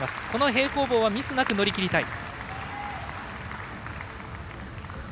平行棒はミスなく乗り切りたい。